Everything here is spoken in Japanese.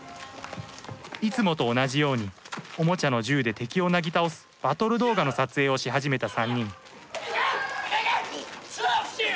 いつもと同じようにおもちゃの銃で敵をなぎ倒すバトル動画の撮影をし始めた３人いけ！